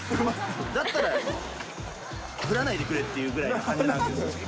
だったら、降らないでくれっていうぐらいの感じなんです。